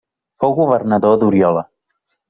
Fou governador d'Oriola.